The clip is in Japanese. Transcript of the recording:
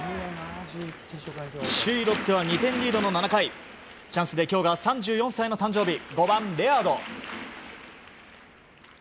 首位、ロッテは２点リードの７回チャンスで今日が３４歳の誕生日５番、レアード。